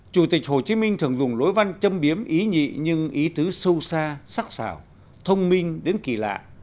chủ tịch hồ chí minh thường dùng lối văn châm biếm ý nhị nhưng ý tứ sâu xa sắc xảo thông minh đến kỳ lạ